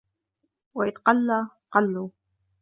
وَإِنْ قَلَّ قَلُّوا